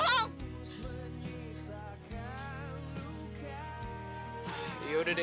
aku tuh emang pengen banget balik rumah soalnya aku tuh capek hidup pindah pindah sendirian ken